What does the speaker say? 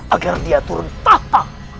agar dia turun tahta